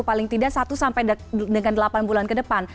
paling tidak satu sampai dengan delapan bulan ke depan